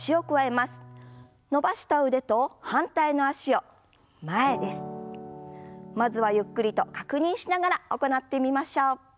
まずはゆっくりと確認しながら行ってみましょう。